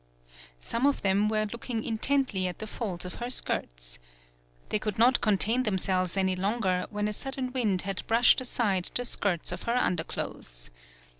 Some of them were looking intently at the folds of her skirts. They could not contain themselves any longer, when a sudden wind had brushed aside the skirts of her underclothes.